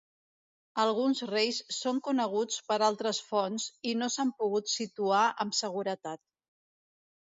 Alguns reis són coneguts per altres fonts i no s'han pogut situar amb seguretat.